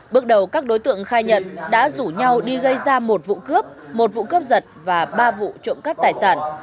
bước đầu các đối tượng khai nhận đã rủ nhau đi gây ra một vụ cướp một vụ cướp giật và ba vụ trộm cắp tài sản